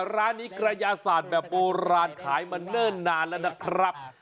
ร้านนี้กระยาศาสตร์แบบโบราณขายมาเนิ่นนานแล้วนะครับ